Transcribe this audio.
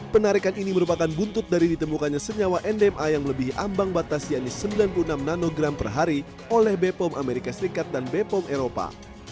penarikan ini merupakan buntut dari ditemukannya senyawa ndma yang melebihi ambang batas yakni sembilan puluh enam nanogram per hari oleh bepom amerika serikat dan bepom eropa